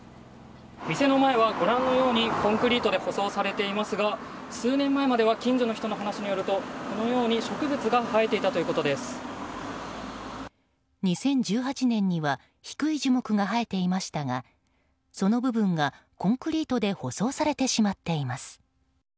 店の前がご覧のようにコンクリートで舗装されていますが数年前までは近所の人の話によるとこのように２０１８年には低い樹木が生えていましたがその部分が、コンクリートで舗装されてしまっています。